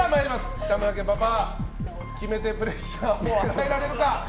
北村家パパ、決めてプレッシャーを与えられるか。